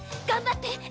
頑張って！